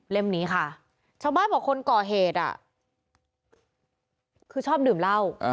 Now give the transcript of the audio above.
นี้ค่ะชาวบ้านบอกคนก่อเหตุคือชอบดื่มเหล้า